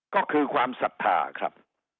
ก็คือความศรัทธาครับ